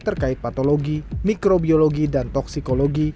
terkait patologi mikrobiologi dan toksikologi